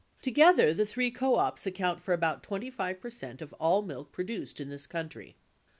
Together the three co ops account for about 25 percent of all milk produced in this country.